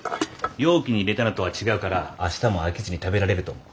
容器に入れたのとは違うから明日も飽きずに食べられると思う。